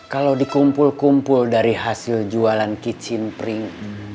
kalau dikumpul kumpul dari hasil jualan kitchen print